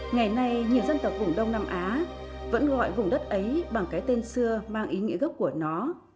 ngày nay nhiều dân tộc vùng đông nam á vẫn gọi vùng đất ấy bằng cái tên xưa mang ý nghĩa gốc của nó